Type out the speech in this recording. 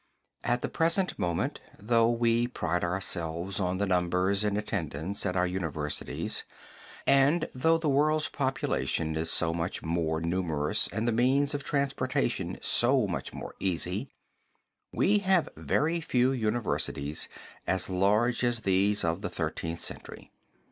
At the present moment, though we pride ourselves on the numbers in attendance at our universities, and though the world's population is so much more numerous and the means of transportation so much more easy, we have very few universities as large as these of the Thirteenth Century.